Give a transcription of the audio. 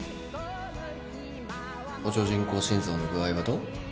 補助人工心臓の具合はどう？